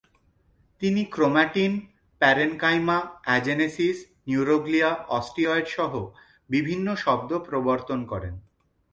তিনি chromatin, parenchyma, agenesis, neuroglia, অস্টিয়েডসহ বিভিন্ন শব্দ প্রবর্তন করেন।